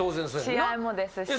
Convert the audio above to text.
試合もですし。